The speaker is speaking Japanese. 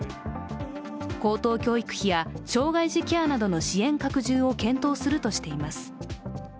高等教育費や障害児ケアなどの支援拡充を検討するとしています。